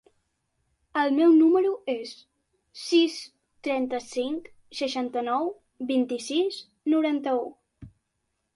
El meu número es el sis, trenta-cinc, seixanta-nou, vint-i-sis, noranta-u.